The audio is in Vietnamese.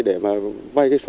để mà vay cái số